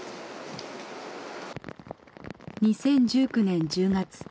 ２０１９年１０月。